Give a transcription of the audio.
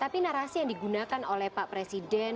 tapi narasi yang digunakan oleh pak presiden